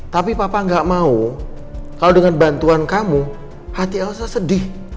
tapi papa gak mau kalau dengan bantuan kamu hati elsa sedih